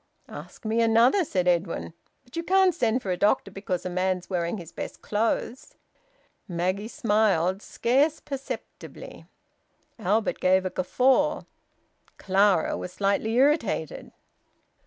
"Ask me another!" said Edwin. "But you can't send for a doctor because a man's wearing his best clothes." Maggie smiled, scarce perceptibly. Albert gave a guffaw. Clara was slightly irritated.